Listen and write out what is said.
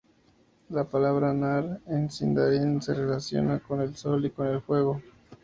La palabra "nar" en sindarin se relaciona con el sol y con el fuego.